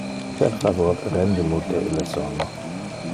Per favor rende mute le sono.